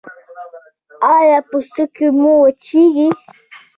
ایا پوستکی مو وچیږي؟